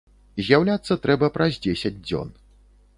З'яўляцца трэба праз дзесяць дзён.